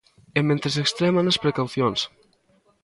E mentres extreman as precaucións.